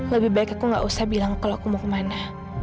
lebih baik aku tidak usah bilang kalau aku mau ke mana